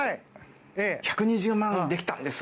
１２０万円できたんです。